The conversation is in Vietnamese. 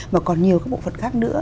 mà còn nhiều các bộ phận khác nữa